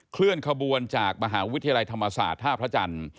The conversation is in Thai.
เคลื่อนขบวนจากมหาวิทยาลัยธรรมศาสตร์ท่าพระจันทร์